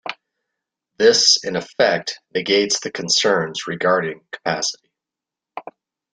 This in effect negates the concerns regarding capacity.